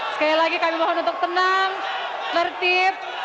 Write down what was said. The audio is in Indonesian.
sekali lagi kami mohon untuk tenang tertib